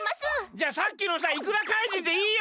じゃあさっきのさいくら怪人でいいよ